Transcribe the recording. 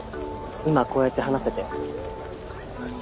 今こうやって話せて。